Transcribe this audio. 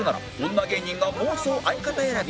女芸人が妄想相方選び